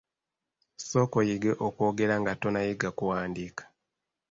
Sooka oyige okwogera nga tonnayiga kuwandiika.